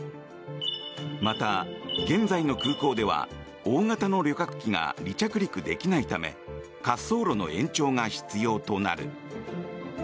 また、現在の空港では大型の旅客機が離着陸できないため滑走路の延長が必要となる。